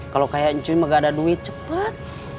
kalau kaya cuy mah nggak ada duit cepat